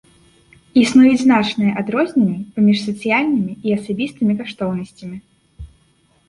Існуюць значныя адрозненні паміж сацыяльнымі і асабістымі каштоўнасцямі.